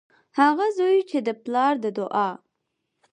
هغه زوی چې د پلار د دعا